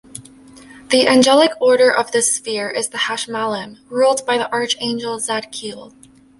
The angelic order of this sphere is the Hashmallim, ruled by the Archangel Zadkiel.